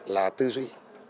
là tư duy